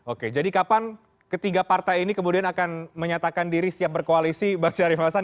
oke jadi kapan ketiga partai ini kemudian akan menyatakan diri siap berkoalisi bang syarif hasan